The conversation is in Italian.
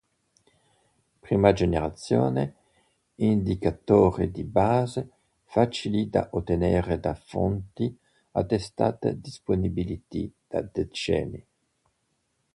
Prima generazione: Indicatori di base, facili da ottenere da fonti attestate disponibili da decenni.